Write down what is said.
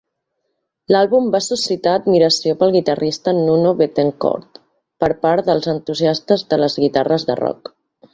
L'àlbum va suscitar admiració pel guitarrista Nuno Bettencourt per part dels entusiastes de les guitarres de rock.